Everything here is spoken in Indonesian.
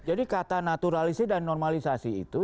jadi kata naturalisasi dan normalisasi itu